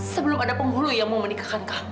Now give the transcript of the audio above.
sebelum ada penghulu yang mau menikahkan kami